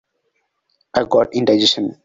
I've got indigestion.